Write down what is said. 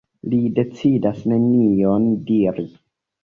Li decidas nenion diri.